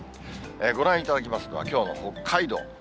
ご覧いただきますのはきょうの北海道。